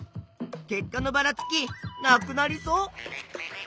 結果のばらつきなくなりそう？